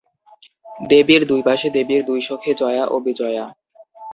দেবীর দুই পাশে দেবীর দুই সখী জয়া ও বিজয়া।